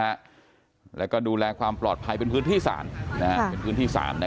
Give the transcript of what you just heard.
ฮะแล้วก็ดูแลความปลอดภัยเป็นพื้นที่สารพื้นที่สารนะ